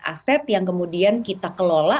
aset yang kemudian kita kelola